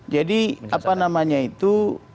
jadi apa namanya itu